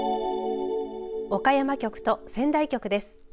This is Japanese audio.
岡山局と仙台局です。